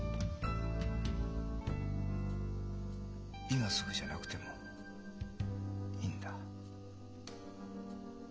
今すぐじゃなくてもいいんだ。